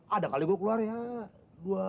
ada kali gue keluar ya